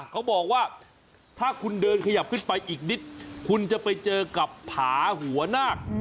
เขาบอกว่าถ้าคุณเดินขยับขึ้นไปอีกนิดคุณจะไปเจอกับผาหัวนาค